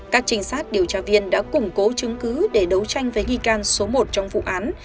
các trinh sát điều tra viên đã củng cố chứng cứ để đấu tranh với nghi can số một trong vụ án